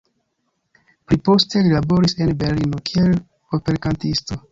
Pli poste li laboris en Berlino kiel operkantisto.